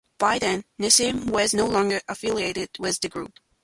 By then, Nesmith was no longer affiliated with the group.